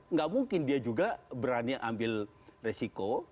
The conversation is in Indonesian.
nggak mungkin dia juga berani ambil resiko